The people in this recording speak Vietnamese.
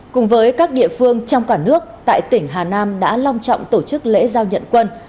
cùng với các địa phương trong cả nước tại tỉnh hà nam đã long trọng tổ chức lễ giao nhận quân